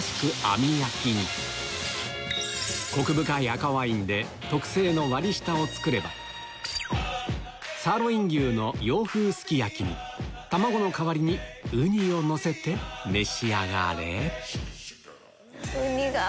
網焼きにコク深い赤ワインで特製の割り下を作ればサーロイン牛の洋風すき焼きに卵の代わりにウニをのせて召し上がれウニだ。